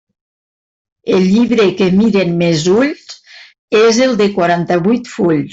El llibre que miren més ulls és el de quaranta-vuit fulls.